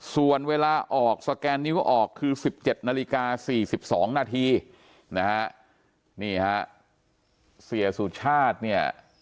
ส่วนเวลาออกสแกนนิ้วออกคือ๑๗นาฬิกา๔๒นาทีนะฮะนี่ฮะเสียสุชาติเนี่ย